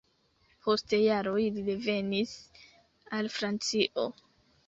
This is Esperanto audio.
Post jaroj li revenis al Francio.